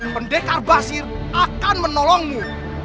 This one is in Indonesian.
pendekar basir akan menolongmu